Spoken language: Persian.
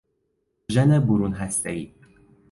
ژن برون هستهای